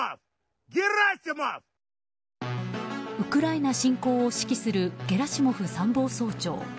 ウクライナ侵攻を指揮するゲラシモフ参謀総長。